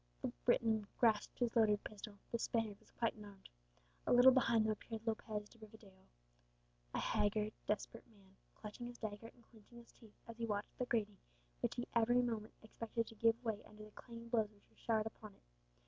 The Briton grasped his loaded pistol, the Spaniard was quite unarmed. A little behind them appeared Lopez de Rivadeo, a haggard, desperate man, clutching his dagger and clinching his teeth, as he watched the grating, which he every moment expected to give way under the clanging blows which were showered upon it.